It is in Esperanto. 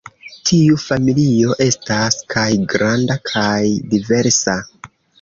Tiu familio estas kaj granda kaj diversa.